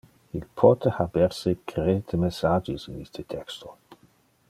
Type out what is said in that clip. Il pote haber secrete messages in iste texto.